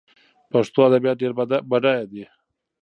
پښتو ادبيات ډېر بډايه دي.